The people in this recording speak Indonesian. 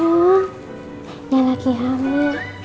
aduh ini lagi hamil